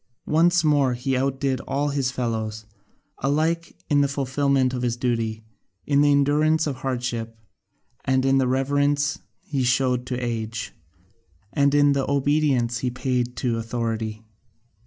Once more he outdid all his fellows, alike in the fulfilment of his duty, in the endurance of hardship, in the reverence he showed to age, and the obedience he paid to authority.